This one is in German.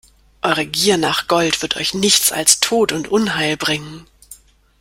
Eure Gier nach Gold wird euch nichts als Tod und Unheil bringen!